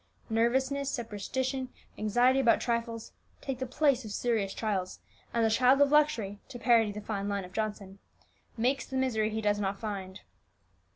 Nervousness, superstition, anxiety about trifles, take the place of serious trials; and the child of luxury, to parody the fine line of Johnson, 'Makes the misery he does not find.'"